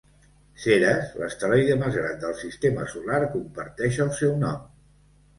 Ceres, l'asteroide més gran del sistema solar comparteix el seu nom.